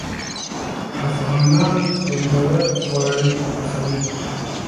افغانان خوندور خواړه پخوي.